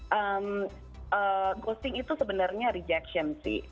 ghosting itu sebenarnya rejection sih